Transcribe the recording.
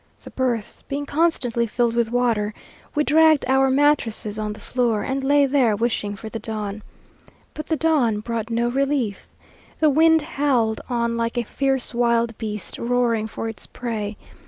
The berths being constantly filled with water, we dragged our mattresses on the floor, and lay there wishing for the dawn. But the dawn brought no relief. The wind howled on like a fierce wild beast roaring for its prey.